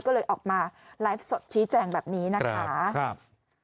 ก็เลยออกมาไลฟ์สดชี้แจงแบบนี้นะคะครับ